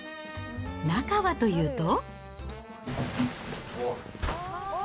中はというと。